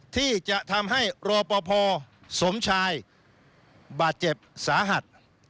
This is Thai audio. ที่จะทำให้รอปภสมชายบาดเจ็บสาหัส